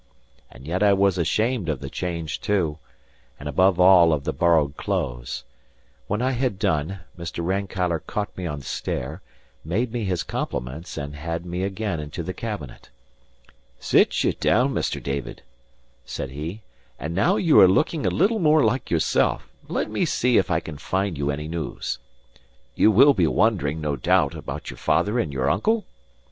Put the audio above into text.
And yet I was ashamed of the change too, and, above all, of the borrowed clothes. When I had done, Mr. Rankeillor caught me on the stair, made me his compliments, and had me again into the cabinet. "Sit ye down, Mr. David," said he, "and now that you are looking a little more like yourself, let me see if I can find you any news. You will be wondering, no doubt, about your father and your uncle?